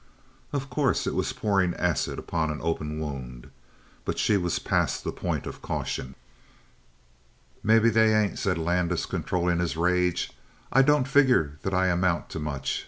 Of course, it was pouring acid upon an open wound. But she was past the point of caution. "Maybe they ain't," said Landis, controlling his rage. "I don't figure that I amount to much.